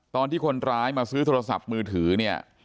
ตอนที่คนร้ายมาซื้อโทรศัพท์มือถือเนี่ย